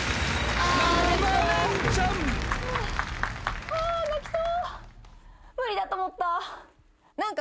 あ泣きそう！